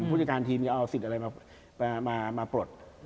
ผู้จัดการทีมจะเอาสิทธิ์อะไรมาปลด